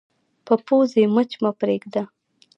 په پوزې مچ مه پرېږده